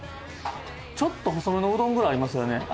ちょっと細めのうどんぐらいありますよね。